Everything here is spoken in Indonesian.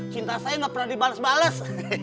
cinta saya gak pernah dibales bales